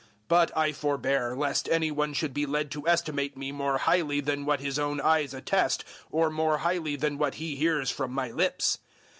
But I forbear, lest any one should be led to estimate me more highly than what his own eyes attest, or more highly than what he hears from my lips.